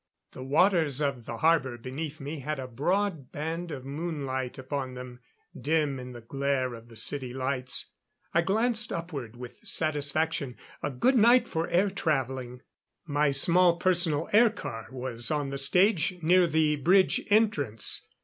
The waters of the harbor beneath me had a broad band of moonlight upon them, dim in the glare of the city lights. I glanced upward with satisfaction. A good night for air traveling. My small personal air car was on the stage near the bridge entrance.